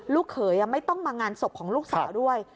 เขยไม่ต้องมางานศพของลูกสาวด้วย